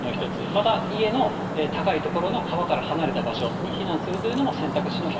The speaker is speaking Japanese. また、家の高い所の川から離れた場所に避難するというのも選択肢